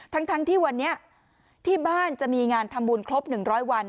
ทั้งทั้งที่วันนี้ที่บ้านจะมีงานทำบุญครบหนึ่งร้อยวัน